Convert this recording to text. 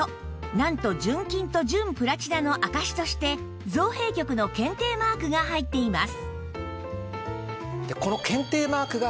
なんと純金と純プラチナの証しとして造幣局の検定マークが入っています